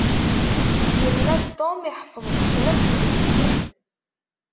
Yenna-d Tom iḥfeḍ-d kra n wejdid.